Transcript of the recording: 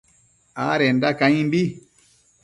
adenda caindambi